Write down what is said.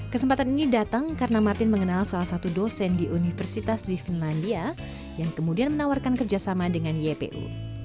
kesempatan ini datang karena martin mengenal salah satu dosen di universitas di finlandia yang kemudian menawarkan kerjasama dengan ypu